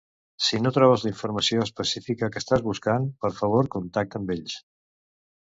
Si no trobes la informació específica que estàs buscant, per favor contacta amb ells.